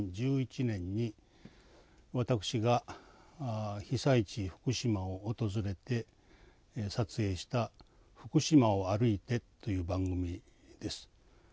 ２０１１年に私が被災地福島を訪れて撮影した「フクシマを歩いて」という番組です。